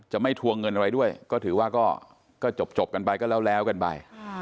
ไม่ทวงเงินอะไรด้วยก็ถือว่าก็จบกันไปก็แล้วกันไป